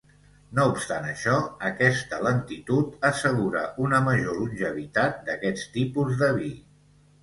No obstant això, aquesta lentitud assegura una major longevitat d'aquests tipus de vi.